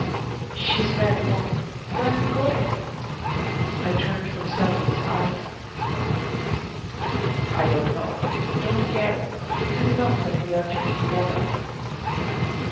"She's very warm. Where are we going?" I turned from Selwyn's eyes. "I don't know. Don't care. It is enough that we are to be together."